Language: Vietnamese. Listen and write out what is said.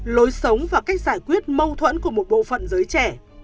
lối sống và cách giải quyết mâu thuẫn của một bộ phận giới trẻ